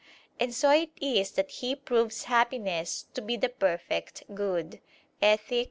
And so it is that he proves happiness to be "the perfect good" (Ethic.